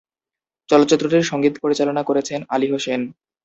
চলচ্চিত্রটির সঙ্গীত পরিচালনা করেছেন আলী হোসেন।